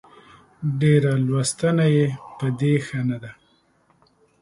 ډېره لوستنه يې په دې ښه نه ده